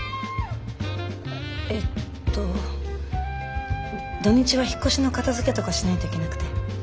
えっと土日は引っ越しの片づけとかしないといけなくて。